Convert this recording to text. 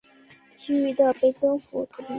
其余的被征服土地则被交给定居者。